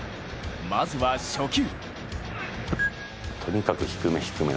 まずは初球。